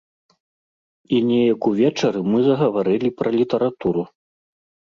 І неяк увечары мы загаварылі пра літаратуру.